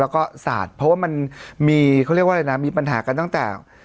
แล้วก็สาดเพราะว่ามันมีเขาเรียกว่าอะไรนะมีปัญหากันตั้งแต่